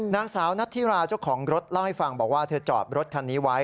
นางสาวนัทธิราเจ้าของรถเล่าให้ฟังบอกว่าเธอจอดรถคันนี้ไว้